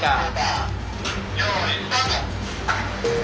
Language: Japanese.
「よいスタート！」。